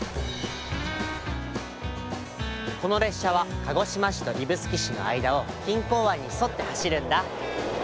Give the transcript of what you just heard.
このれっしゃは鹿児島市と指宿市のあいだを錦江湾にそってはしるんだ。